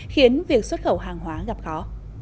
khiến việc xuất khẩu hàng hóa gặp khó